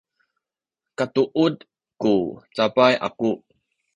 katuud ku cabay aku